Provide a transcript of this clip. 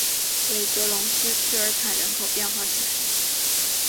韦泽龙斯屈尔坦人口变化图示